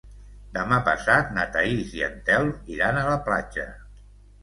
Demà passat na Thaís i en Telm iran a la platja.